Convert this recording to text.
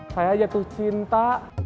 saya jatuh cinta